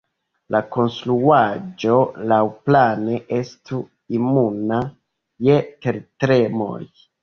La konstruaĵo laŭplane estu imuna je tertremoj.